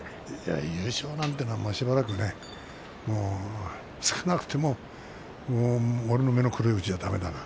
優勝なんていうのはしばらく少なくとも俺の目の黒いうちは、だめだな。